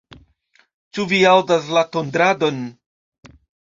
Ĉu vi aŭdas la tondradon?